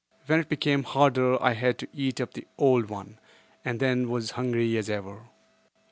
When it became harder I had to eat up the old one, and then was hungry as ever.